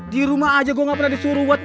di rumah aja gua ga pernah disuruh buat